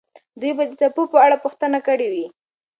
دوی به د څپو په اړه پوښتنه کړې وي.